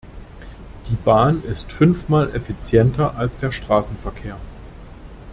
Die Bahn ist fünfmal effizienter als der Straßenverkehr.